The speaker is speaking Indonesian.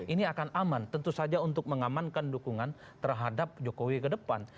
ini akan aman tentu saja untuk mengamankan dukungan terhadap jokowi ke depan